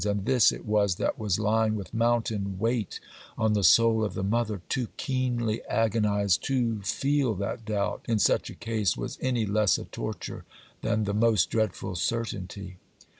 And this it was that was lying with mountain weight on the soul of the mother, too keenly agonized to feel that doubt in such a case was any less a torture than the most dreadful certainty.